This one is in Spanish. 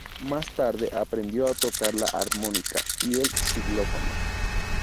Más tarde aprendió a tocar la armónica y el xilófono.